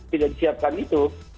tidak disiapkan itu